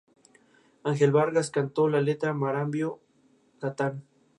Emplea interferometría láser de precisión similar a Advanced Virgo para detectar ondas gravitacionales.